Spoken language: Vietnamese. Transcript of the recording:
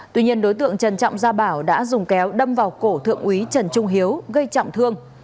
tuy nhiên đối tượng trần trọng gia bảo đã dùng kéo đâm vào cổ thượng úy trần trung hiếu gây trọng thương